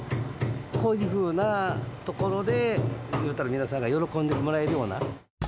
こういうふうなところで、いうたら、皆さんに喜んでもらえるような。